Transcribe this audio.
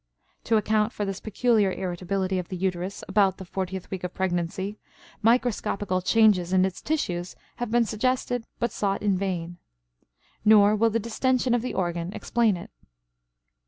To account for this peculiar irritability of the uterus about the fortieth week of pregnancy, microscopical changes in its tissues have been suggested but sought in vain. Nor will the distention of the organ explain it.